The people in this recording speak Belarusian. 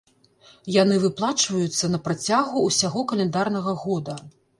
Яны выплачваюцца на працягу ўсяго каляндарнага года.